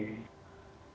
nah itu juga berarti